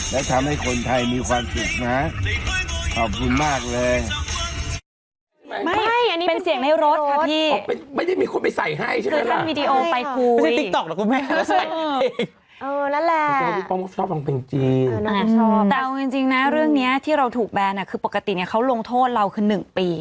และทำให้คนไทย